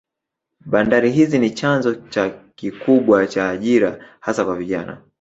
Bandari hizi ni chanzo cha kikubwa cha ajira hasa kwa vijana